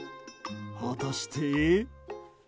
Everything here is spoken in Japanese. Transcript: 果たして。